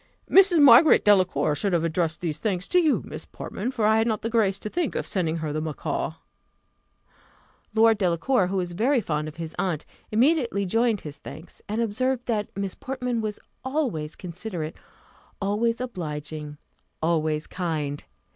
"Mrs. Margaret Delacour should have addressed these thanks to you, Miss Portman, for I had not the grace to think of sending her the macaw." Lord Delacour, who was very fond of his aunt, immediately joined his thanks, and observed that Miss Portman was always considerate always obliging always kind.